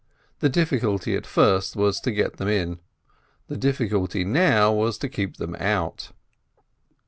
The difficulty at first was to get them in; the difficulty now was to keep them out.